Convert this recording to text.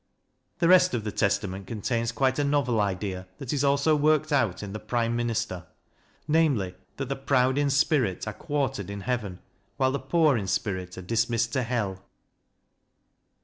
The rest of the Testament contains quite a novel idea, that is also worked out in the " Prime Minister," namely, that the proud in spirit are quartered in heaven, while the poor in spirit are dismissed to hell.